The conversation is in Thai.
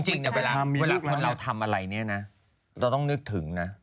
จริงแล้วเวลาคนเราทำอะไรนี้นะเราต้องนึกถึงนะคะ